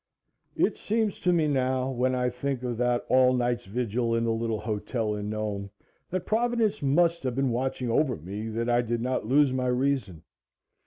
It seems to me, now when I think of that all night's vigil in the little hotel in Nome, that Providence must have been watching over me, that I did not lose my reason.